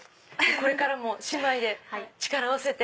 これからも姉妹で力を合わせて。